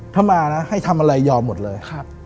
ถ้ามานะให้ทำอะไรยอมหมดเลย